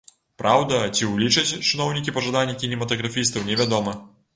Праўда, ці ўлічаць чыноўнікі пажаданні кінематаграфістаў, невядома.